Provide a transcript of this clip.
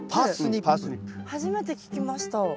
初めて聞きました。